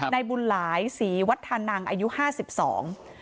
ในบุญหลายศรีวัฒนังอายุห้าสิบสอง